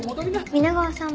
皆川さん